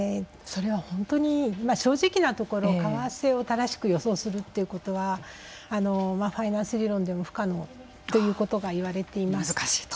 正直なところ為替を正しく予想するというのはファイナンス理論でも不可能ということがいわれています。